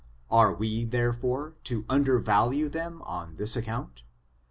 are we, therefore, to undervalue them on this account?